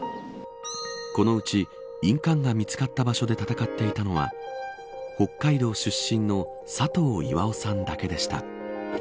このうち、印鑑が見つかった場所で戦っていたのは北海道出身の佐藤岩雄さんだけでした。